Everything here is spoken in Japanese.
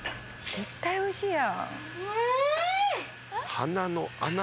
絶対おいしいよ。